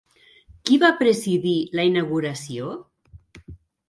Qui va presidir la inauguració?